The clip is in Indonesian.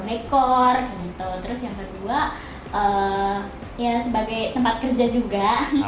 terus yang kedua ya sebagai tempat kerja juga